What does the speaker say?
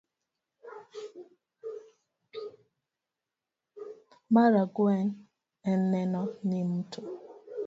Mar ang'wen en neno ni mto